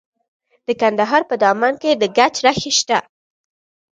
د کندهار په دامان کې د ګچ نښې شته.